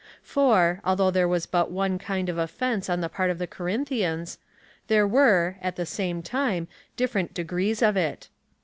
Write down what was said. For, although there was but one kind of offence on the part of the Corinthians,^ there were, at the same time different de grees of it.